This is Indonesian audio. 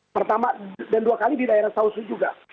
pertama dan dua kali di daerah sausu juga